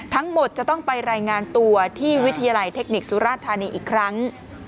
ทั้งหมดจะต้องไปรายงานตัวที่วิทยาลัยเทคนิคสุราชธานีอีกครั้ง